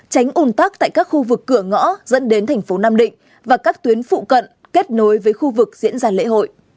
tránh ủn tắc tại các khu vực cửa ngõ dẫn đến thành phố nam định và các tuyến phụ cận kết nối với khu vực diễn ra lễ hội